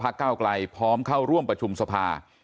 เก้าไกลพร้อมเข้าร่วมประชุมสภา